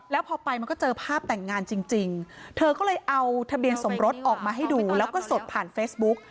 แล้วพอไปมันก็เจอภาพแต่งงานจริงเธอก็เลยเอาทะเบียนสมรสออกมาให้ดูแล้วก็สดผ่านเฟซบุ๊ก